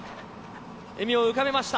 笑みを浮かべました。